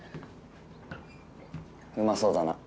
うまそうだな。